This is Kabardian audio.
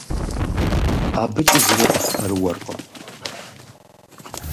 АбыкӀи зыри къыфпэрыуэркъым.